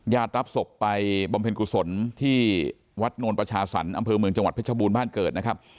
ยาดรับศพไปบอมเพลินกุศลที่วัดโนรประชาศรรย์อำเภอเมืองจังหวัดพระเจ้าบูรณ์บ้านเกิดนะครับ